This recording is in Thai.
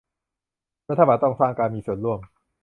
รัฐบาลต้องสร้างการมีส่วนร่วม